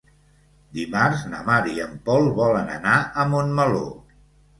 Dimarts na Mar i en Pol volen anar a Montmeló.